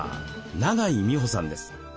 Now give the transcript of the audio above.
永井美穂さんです。